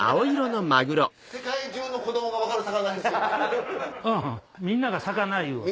世界中の子供が分かる魚ですよね。